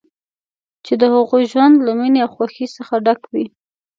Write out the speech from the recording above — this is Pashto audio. چې د هغوی ژوند له مینې او خوښۍ څخه ډک وي.